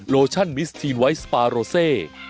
โลชั่นมิสทีนไวท์สปาโรเซ